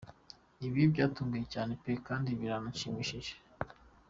Ibi byantunguye cyane pe! Kandi biranashimishije.